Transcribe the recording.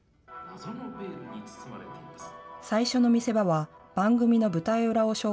最初の見せ場は番組の舞台裏を紹介するコーナー。